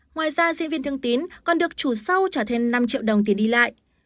ngoài ra diễn viên thương tín còn được chủ sau trả thêm năm triệu đồng tiền đi lại